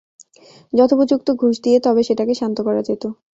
যথোপযুক্ত ঘুষ দিয়ে তবে সেটাকে শান্ত করা যেত।